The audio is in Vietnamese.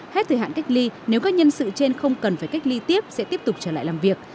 hết thời hạn cách ly nếu các nhân sự trên không cần phải cách ly tiếp sẽ tiếp tục trở lại làm việc